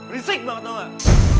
risik banget tau gak